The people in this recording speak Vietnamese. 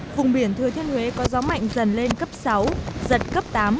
vùng biển thừa thiên huế có gió mạnh dần lên cấp sáu giật cấp tám